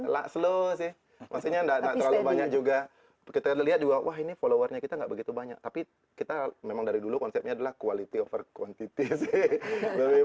nah slow sih maksudnya nggak terlalu banyak juga kita lihat juga wah ini follower nya kita nggak begitu banyak tapi kita memang dari dulu konsepnya adalah kualitas over quantity sih